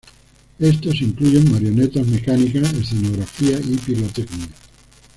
Estos incluyen marionetas mecánicas, escenografía y pirotecnia.